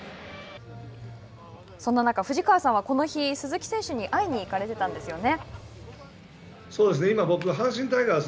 そんな中、藤川さんはこの日、鈴木選手に会いに行かれてたんですよね。